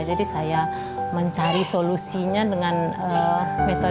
jadi saya mencari solusinya dengan metode baru